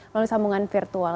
melalui sambungan virtual